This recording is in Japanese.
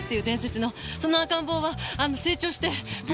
その赤ん坊は成長してほら。